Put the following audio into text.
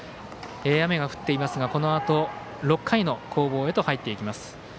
雨が降っていますが、このあと６回の攻防へと入っていきます。